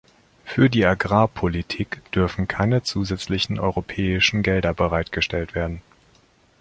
Für die Agrarpolitik dürfen keine zusätzlichen europäischen Gelder bereitgestellt werden.